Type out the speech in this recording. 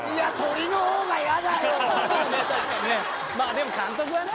でも監督はね。